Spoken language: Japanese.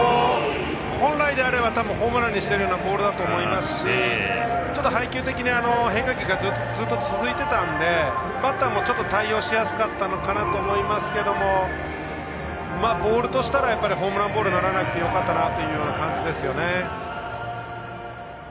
本来であればホームランにしているようなボールだと思いますしちょっと配球的に変化球が続いていたのでバッターも対応しやすかったのかなと思いますけどボールとしたらホームランボールにならなくてよかったなという感じですよね。